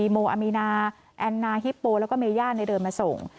ทางกลับบ้านโดยมีโมอามีนาแอนนาฮิปโปแล้วก็เมย่านในเดินมาส่ง